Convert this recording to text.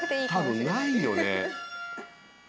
多分ないよね。